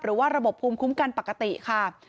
ระบบภูมิคุ้มกันปกติค่ะ